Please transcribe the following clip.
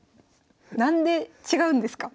何で違うんですか？